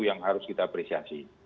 yang harus kita apresiasi